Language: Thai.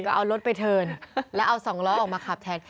ก็เอารถไปเทิร์นแล้วเอาสองล้อออกมาขับแทน